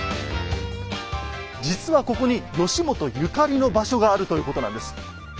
実はここに義元ゆかりの場所があるということなんです。